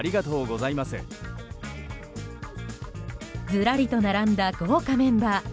ずらりと並んだ豪華メンバー。